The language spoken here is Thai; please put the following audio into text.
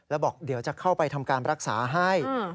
แล้วบอกเดี๋ยวจะเข้าไปทำการรักษาให้